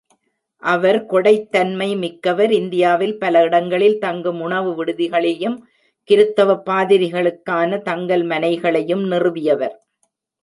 அவர் கொடைத்தன்மை மிக்கவர் இந்தியாவில் பல இடங்களில் தங்கும் உணவுவிடுதிகளையும், கிருத்தவப் பாதிரிகளுக்கான தங்கல் மனைகளையும் நிறுவியவர்.